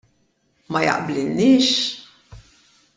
Ma jaqblilniex?